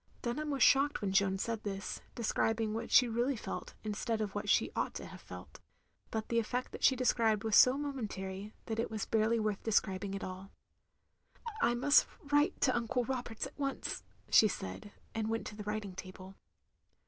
" Dunham was shocked when Jeanne said this, describing what she really felt, instead of what she ought to have felt. OF GROSVENOR SQUARE 301 But the effect that she described was so mo mentary, that it was barely worth describing at all. "I must write to Uncle Roberts at once," she said, and went to the writing table.